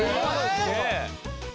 すげえ。